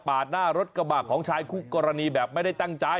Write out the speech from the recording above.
หน้ารถกระบะของชายคู่กรณีแบบไม่ได้ตั้งใจ